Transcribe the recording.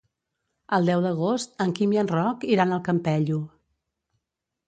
El deu d'agost en Quim i en Roc iran al Campello.